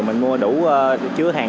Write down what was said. mình mua đủ chứa hàng